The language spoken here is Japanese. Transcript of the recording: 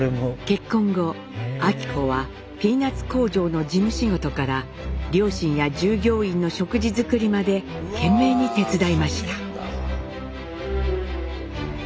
結婚後昭子はピーナッツ工場の事務仕事から両親や従業員の食事作りまで懸命に手伝いました。